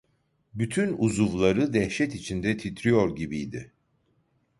Bütün uzuvları dehşet içinde titriyor gibiydi.